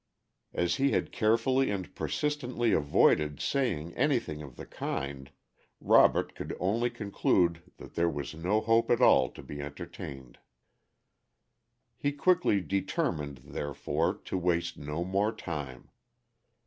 As he had carefully and persistently avoided saying anything of the kind, Robert could only conclude that there was no hope at all to be entertained. He quickly determined, therefore, to waste no more time.